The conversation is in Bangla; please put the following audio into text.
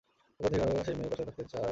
উপর থেকে আরো সেই মেয়ে তার সাথে থাকতে চায়।